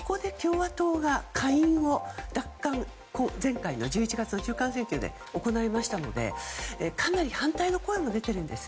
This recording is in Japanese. ここで共和党が下院を奪還して前回の１１月の中間選挙で行いましたので、かなり反対の声も出ているんです。